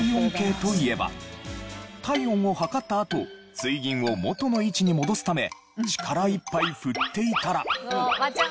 体温を測ったあと水銀を元の位置に戻すため力いっぱい振っていたら。